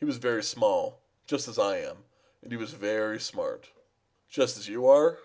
He was very small, just as I am, and he was very smart." "Just as you are?"